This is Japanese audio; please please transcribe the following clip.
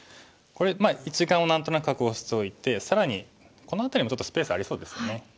これ１眼を何となく確保しておいて更にこの辺りもちょっとスペースありそうですよね。